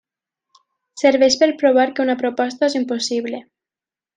Serveix per provar que una proposta és impossible.